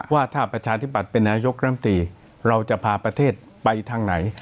ว่าถ้าประชาธิบัติเป็นนายกรัมตีเราจะพาประเทศไปทางไหน